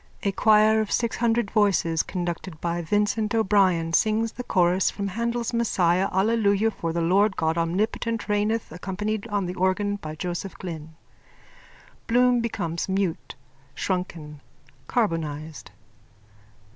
(A choir of six hundred voices, conducted by Vincent O'Brien, sings the chorus from Handel's Messiah Alleluia for the Lord God Omnipotent reigneth, _accompanied on the organ by Joseph Glynn. Bloom becomes mute, shrunken, carbonised.)